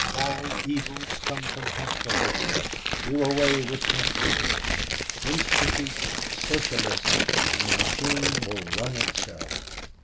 All evils come from capitalism do away with capitalism, institute socialism, and the machine will run itself.